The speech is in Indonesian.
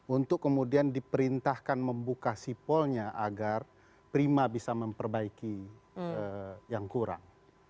untuk kemudian diperintahkan membuka sipolnya agar prima bisa memperbaiki yang kurang